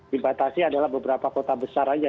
dibatasi adalah beberapa kota besar saja